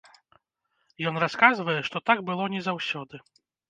Ён расказвае, што так было не заўсёды.